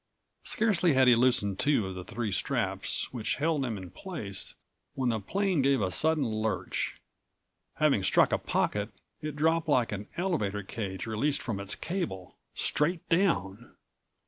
Scarcely had he loosened two of the three straps which held him in place when the plane gave a sudden lurch. Having struck a pocket, it dropped like an elevator cage released from its cable, straight down.